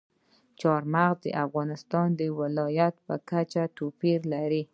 چار مغز د افغانستان د ولایاتو په کچه توپیر لري.